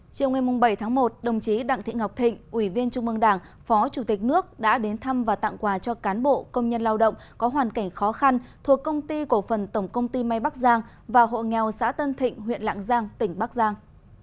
chiều ngày bảy tháng một đồng chí đặng thị ngọc thịnh ủy viên trung mương đảng phó chủ tịch nước đã đến thăm và tặng quà cho cán bộ công nhân lao động có hoàn cảnh khó khăn thuộc công ty cổ phần tổng công ty may bắc giang và hộ nghèo xã tân thịnh huyện lạng giang tỉnh bắc giang